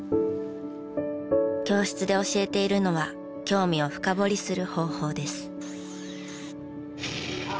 教室で教えているのは興味を深掘りする方法です。